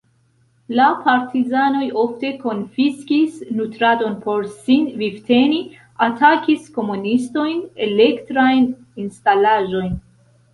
La partizanoj ofte konfiskis nutradon por sin vivteni, atakis komunistojn, elektrajn instalaĵojn.